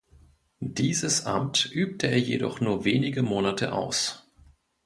Dieses Amt übte er jedoch nur wenige Monate aus.